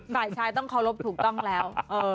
ฝ่ายชายต้องเคารพถูกต้องแล้ว